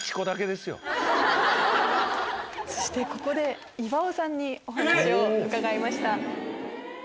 そしてここで岩尾さんにお話を伺いました。